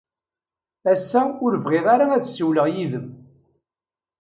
Ass-a, ur bɣiɣ ara ad ssiwleɣ yid-m.